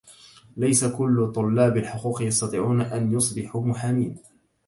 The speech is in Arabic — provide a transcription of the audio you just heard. ليس كل طلاب الحقوق يستطيعون ان يصبحوا محامين